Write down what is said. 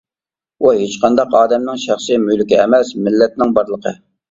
ئۇ ھېچقانداق ئادەمنىڭ شەخسىي مۈلكى ئەمەس، مىللەتنىڭ بارلىقى.